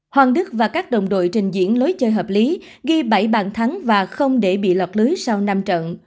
hoàng đức và các đồng đội trình diễn lối chơi hợp lý ghi bảy bàn thắng và không để bị lọt lưới sau năm trận